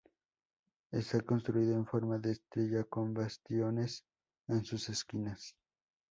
Está construido en forma de estrella con bastiones en sus esquinas.